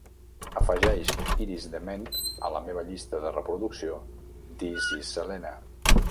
Afegeix Iris DeMent a la meva llista de reproducció This is selena